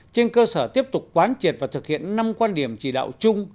trên cơ sở tiếp tục quán triệt và thực hiện năm quan điểm chỉ đạo chung